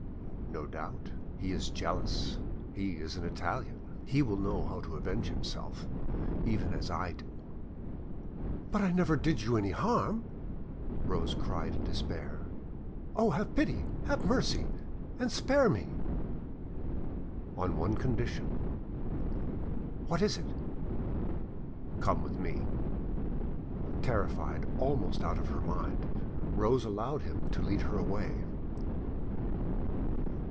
"No doubt: he is jealous, he is an Italian, he will know how to avenge himself—even as I do." "But I never did you any harm," Rose cried in despair. "Oh! have pity, have mercy, and spare me!" "On one condition." "What is it?" "Come with me." Terrified almost out of her mind, Rose allowed him to lead her away.